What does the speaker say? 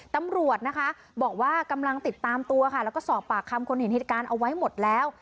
ตำรวจนะคะบอกว่ากำลังติดตามตัวค่ะแล้วก็สอบปากคำคนเห็นเหตุการณ์เอาไว้หมดแล้ว